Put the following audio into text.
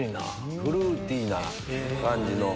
フルーティーな感じの。